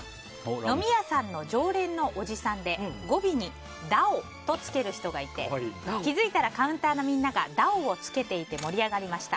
飲み屋さんの常連のおじさんで語尾に「だお」とつける人がいて気づいたらカウンターのみんなが「だお」をつけていて盛り上がりました。